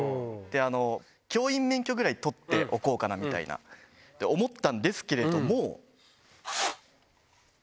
教員免許ぐらい取っておこうかなみたいな、思ったんですけれども。